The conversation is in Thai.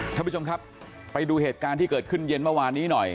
ท่านผู้ชมครับไปดูเหตุการณ์ที่เกิดขึ้นเย็นเมื่อวานนี้หน่อย